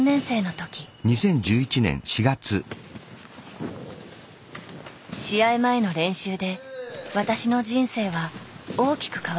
試合前の練習で私の人生は大きく変わってしまったのです。